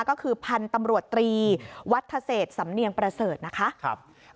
ก็คือพันธุ์ตำรวจตรีวัฒเศษสำเนียงประเสริฐนะคะ